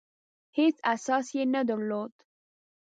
هېڅ اساس یې نه درلود.